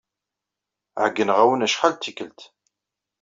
Ɛeyyneɣ-awen acḥal d tikkelt.